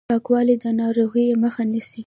پاکوالی د ناروغیو مخه نیسي.